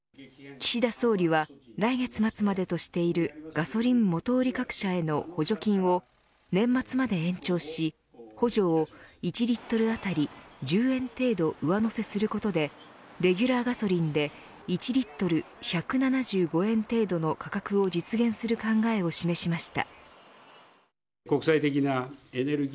岸田総理は来月末までとしているガソリン元売り各社への補助金を年末まで延長し補助を１リットル当たり１０円程度、上乗せすることでレギュラーガソリンで１リットル１７５円程度の価格を実現する考えを示しました。